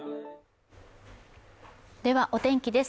では、お天気です。